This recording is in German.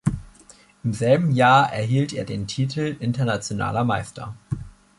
Im selben Jahr erhielt er den Titel Internationaler Meister.